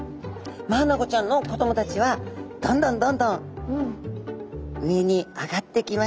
マアナゴちゃんの子どもたちはどんどんどんどん上に上がっていきまして。